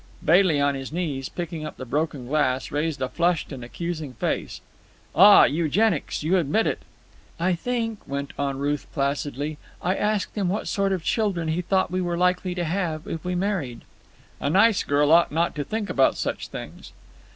Bailey, on his knees, picking up broken glass, raised a flushed and accusing face. "Ah! Eugenics! You admit it!" "I think," went on Ruth placidly, "I asked him what sort of children he thought we were likely to have if we married." "A nice girl ought not to think about such things."